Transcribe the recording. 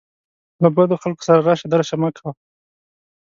له بدو خلکو سره راشه درشه مه کوه